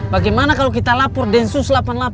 bagaimana kalau kita lapor densus delapan puluh delapan